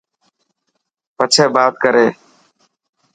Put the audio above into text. پڇي بات ڪري.